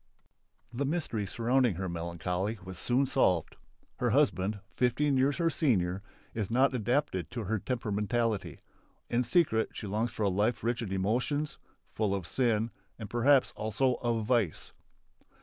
The mystery surrounding her melancholy was soon solved. Her husband, fifteen years her senior, is not adapted to her temperamentally. In secret she longs for a life rich in emotions, full of sin and perhaps also of vice.